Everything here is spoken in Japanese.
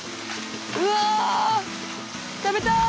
うわ食べたい。